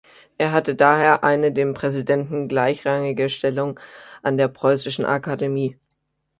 Er hatte daher eine dem Präsidenten gleichrangige Stellung an der Preußischen Akademie.